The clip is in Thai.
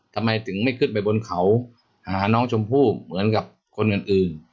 ทำไมถึงไม่ขึ้นไปบนเขาหาน้องชมพู่เหมือนกับคนอื่น